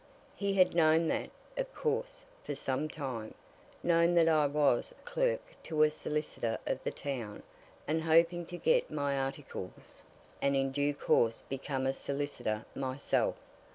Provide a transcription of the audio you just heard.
He had known that, of course, for some time known that I was clerk to a solicitor of the town, and hoping to get my articles, and in due course become a solicitor myself.